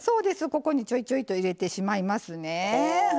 ここにちょいちょいと入れてしまいますね。